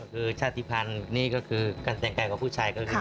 คือชาติภัณฑ์นี้ก็คือการแต่งกล้ายกับผู้ชาย